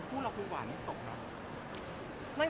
คู่เราคู่หวานมันตกหรอ